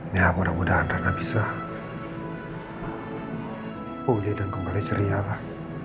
ya mudah mudahan karena bisa pulih dan kembali ceria lah